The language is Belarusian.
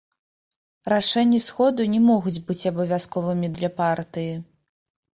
Рашэнні сходу не могуць быць абавязковымі для партыі.